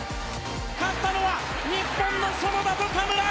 勝ったのは日本の園田と嘉村！